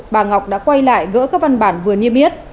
bà ngọc đã quay lại gỡ các văn bản vừa niêm yết